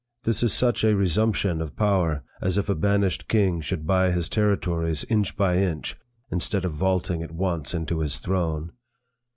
This is such a resumption of power, as if a banished king should buy his territories inch by inch, instead of vaulting at once into his throne.